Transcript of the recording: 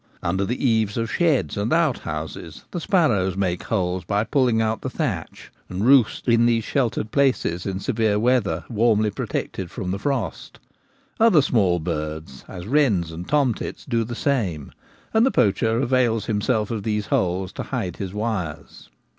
Under the eaves of sheds and outhouses the sparrows make holes by pulling out the thatch and roost in these sheltered places in severe weather, warmly protected from the frost ; other small birds, as wrens and tomtits, do the same; and the poacher avails himself of these holes to hide his wires.